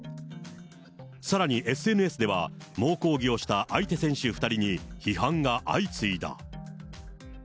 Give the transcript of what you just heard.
さらにＳＮＳでは、猛抗議をした相手選手２人に批判が相次いだ。